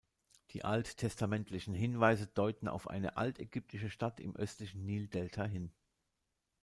Die alttestamentlichen Hinweise deuten auf eine altägyptische Stadt im östlichen Nildelta hin.